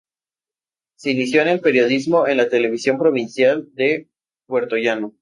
Se inició en el periodismo en la televisión provincial de Puertollano.